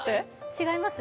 違います？